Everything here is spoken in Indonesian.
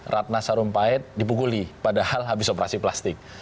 ratna sarumpait dipukuli padahal habis operasi plastik